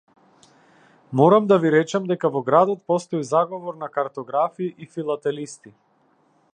Морам да ви речам дека во градот постои заговор на картографи и филателисти.